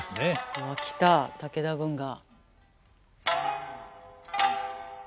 うわ来た武田軍が。